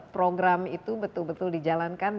program itu betul betul dijalankan